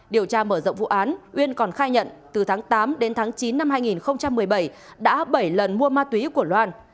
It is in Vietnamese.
điều tra mở rộng vụ án uyên còn khai nhận từ tháng tám đến tháng chín năm hai nghìn một mươi bảy đã bảy lần mua ma túy của loan